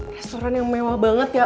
restoran yang mewah banget ya